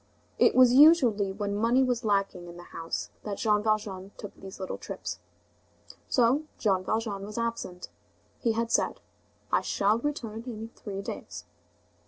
It was usually when money was lacking in the house that Jean Valjean took these little trips. So Jean Valjean was absent. He had said: "I shall return in three days."